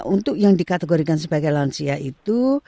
untuk yang dikategorikan sebagai lansia itu